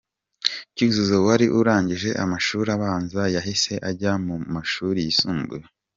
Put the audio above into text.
Cyuzuzo wari urangije amashuri abanza yahise ajya mu mashuri yisumbuye.